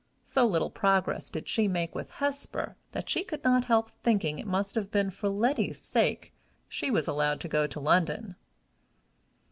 So little progress did she make with Hesper, that she could not help thinking it must have been for Letty's sake she was allowed to go to London.